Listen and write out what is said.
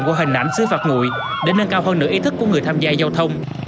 của hành nạn xứ phạt ngụy để nâng cao hơn nửa ý thức của người tham gia giao thông